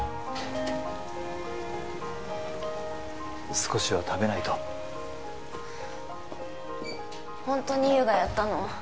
少しは食べないとホントに優がやったの？